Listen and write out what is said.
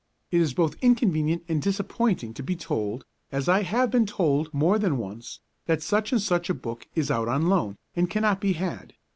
It is both inconvenient and disappointing to be told, as I have been told more than once, that such and such a book is out on loan, and cannot be had.